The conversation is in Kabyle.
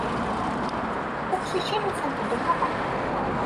Tiqcicin usant-d merra.